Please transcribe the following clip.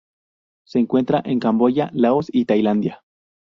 Se encuentra en Camboya, Laos y Tailandia.